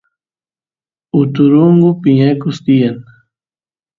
uturungu piñakus tiyan